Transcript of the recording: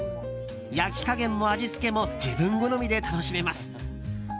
焼き加減も味付けも自分好みで楽しめます。